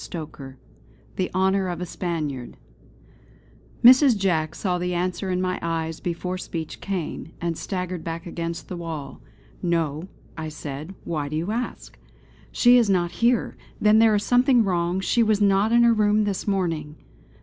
CHAPTER XLIII THE HONOUR OF A SPANIARD Mrs. Jack saw the answer in my eyes before speech came, and staggered back against the wall. "No," I said "Why do you ask?" "She is not here! Then there is something wrong; she was not in her room this morning!"